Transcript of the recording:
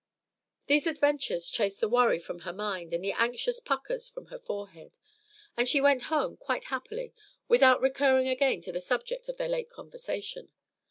These adventures chased the worry from her mind and the anxious puckers from her forehead; and she went home quite happily, without recurring again to the subject of their late conversation.